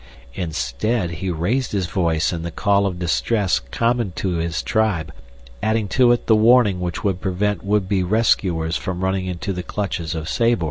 Instead he raised his voice in the call of distress common to his tribe, adding to it the warning which would prevent would be rescuers from running into the clutches of Sabor.